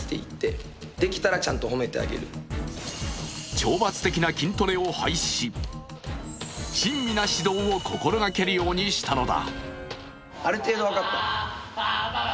懲罰的な筋トレを廃止し親身な指導を心がけるようにしたのだ。